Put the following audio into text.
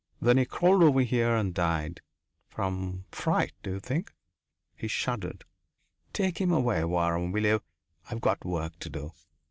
Then he crawled over here and died. From fright, d'you think?" He shuddered. "Take him away, Waram, will you? I've got work to do."